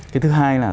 cái thứ hai là